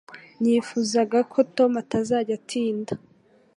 Nifuzaga ko Tom atazajya atinda